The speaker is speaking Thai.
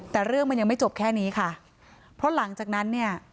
แต่เรื่องมันยังไม่จบแค่นี้ค่ะเพราะหลังจากนั้นเนี่ย